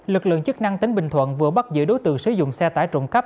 lực lượng chức năng tính bình thuận vừa bắt giữa đối tượng sử dụng xe tải trụng cắp